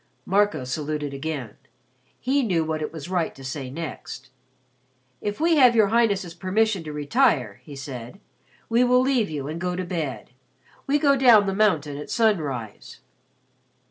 Marco saluted again. He knew what it was right to say next. "If we have your Highness's permission to retire," he said, "we will leave you and go to bed. We go down the mountain at sunrise."